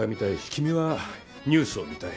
君はニュースを観たい。